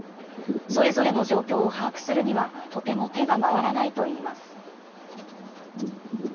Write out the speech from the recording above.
それぞれの状況を把握するにはとても手が回らないといいます。